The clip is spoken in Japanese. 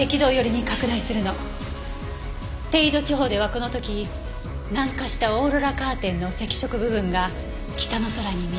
低緯度地方ではこの時南下したオーロラカーテンの赤色部分が北の空に見える。